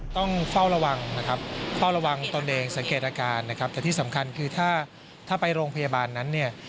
ต้องเฝ้าระวังนะครับเฝ้าระวังตนเองสังเกตอาการนะครับแต่ที่สำคัญคือถ้าถ้าไปโรงพยาบาลนั้นเนี่ย